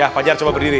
ya panjang coba berdiri